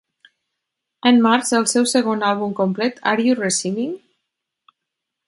En març, el seu segon àlbum complet, "Are You Receiving?"